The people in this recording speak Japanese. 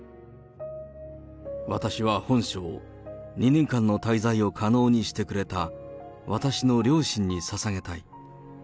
私は本書を、２年間の滞在を可能にしてくれた私の両親にささげたい。